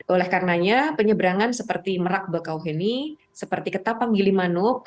oleh karenanya penyebrangan seperti merak bekauheni seperti ketapang gilimanuk